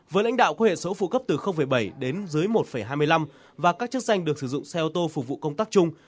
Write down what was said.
với lãnh đạo có hệ số phụ cấp từ bảy đến dưới một hai mươi năm và các chức danh được sử dụng xe ô tô phục vụ công tác chung